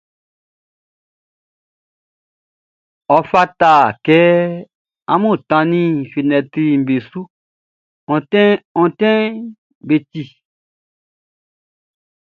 Ɔ fata kɛ amun kata fenɛtriʼm be su, onti ontinʼm be ti.